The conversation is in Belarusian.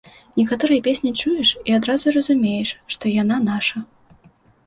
Некаторыя песні чуеш і адразу разумееш, што яна наша.